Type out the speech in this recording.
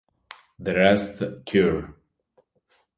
The Rest Cure